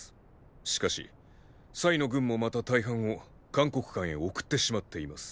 しかしの軍もまた大半を函谷関へ送ってしまっています。